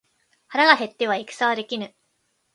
腹が減っては戦はできぬ